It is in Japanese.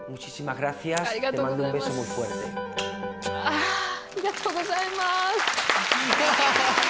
ありがとうございます！